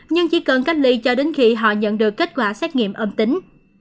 nhưng chỉ cần cách ly cho đến khi họ nhận được kết quả xét nghiệm âm tính